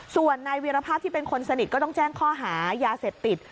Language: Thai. ส่วนนายวีรภาพที่เป็นคนสนิทก็ต้องแจ้งข้อหายาเสพติด